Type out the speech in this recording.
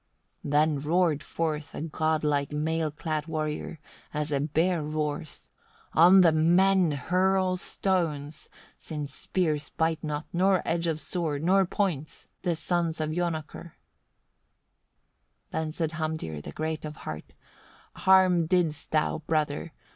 26. Then roared forth a godlike mail clad warrior, as a bear roars: "On the men hurl stones, since spears bite not, nor edge of sword, nor point, the sons of Jonakr." 27. Then said Hamdir, the great of heart: "Harm didst thou, brother!